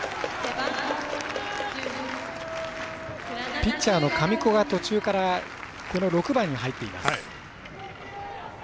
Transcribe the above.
ピッチャーの神子が途中から６番に入っています。